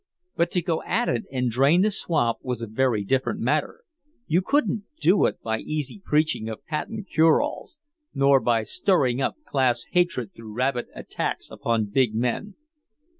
But to go at it and drain the swamp was a very different matter. You couldn't do it by easy preaching of patent cure alls, nor by stirring up class hatred through rabid attacks upon big men.